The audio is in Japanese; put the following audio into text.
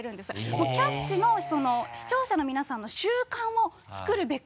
もう「キャッチ！」の視聴者の皆さんの習慣を作るべく。